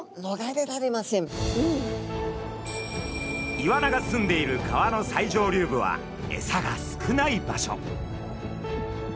イワナがすんでいる川の最上流部はエサが少ない場所。